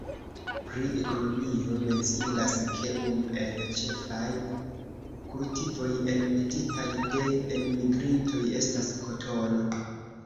Pri ekonomio menciindas ke unu el ĉefaj kultivoj enmetitaj de enmigrintoj estas kotono.